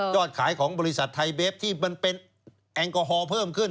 ขายของบริษัทไทยเบฟที่มันเป็นแอลกอฮอล์เพิ่มขึ้น